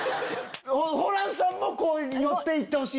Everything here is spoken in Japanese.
ホランさんも寄って行ってほしい。